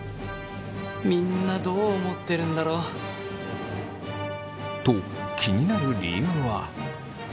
みんなどう思ってるんだろう？と気になる理由は。